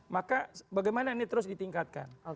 maka bagaimana ini terus ditingkatkan